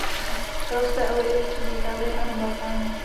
Roste ale i ve střední Itálii a na Balkáně.